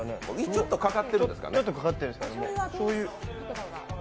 ちょっとかかっているんですかね。